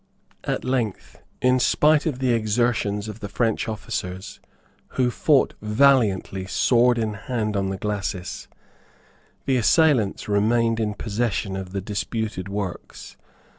At length, in spite of the exertions of the French officers, who fought valiantly sword in hand on the glacis, the assailants remained in possession of the disputed works.